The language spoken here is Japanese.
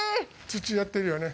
土やってるよね。